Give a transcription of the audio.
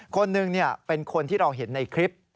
คนหนึ่งเป็นคนที่เราเห็นในคลิป